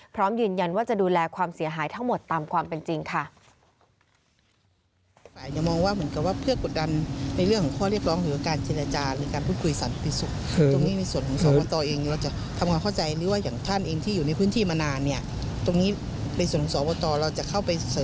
พร้อมยืนยันว่าจะดูแลความเสียหายทั้งหมดตามความเป็นจริงค่ะ